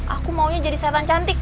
aku maunya jadi setan cantik